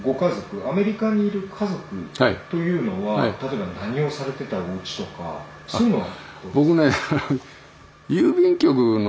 アメリカにいる家族というのは例えば何をされてたおうちとかそういうのは？